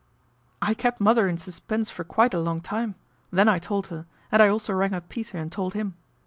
" I kept mother in suspense for quite a long time. Then I told her, and I also rang up Peter and told him.